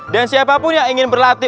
dan siapapun yang ingin berlatih